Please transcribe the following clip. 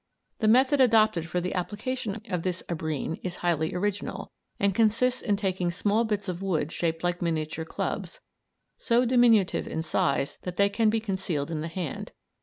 The method adopted for the application of this abrine is highly original, and consists in taking small bits of wood shaped like miniature clubs, so diminutive in size that they can be concealed in the hand.